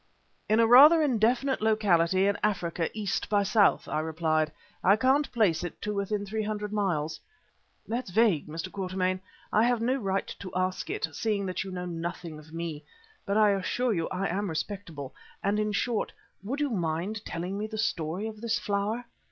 "In a rather indefinite locality in Africa east by south," I replied. "I can't place it to within three hundred miles." "That's vague, Mr. Quatermain. I have no right to ask it, seeing that you know nothing of me, but I assure you I am respectable, and in short, would you mind telling me the story of this flower?"